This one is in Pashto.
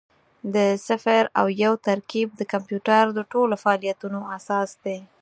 د صفر او یو ترکیب د کمپیوټر د ټولو فعالیتونو اساس دی.